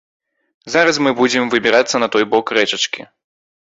Зараз мы будзем выбірацца на той бок рэчачкі.